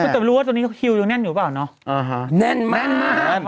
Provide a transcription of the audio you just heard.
อ่าคุณต้องรู้ว่าตรงนี้คิวยังแน่นอยู่เปล่าเนอะอ่าฮะแน่นมากแน่น